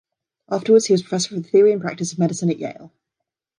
Afterwards, he was professor of the theory and practice of medicine at Yale.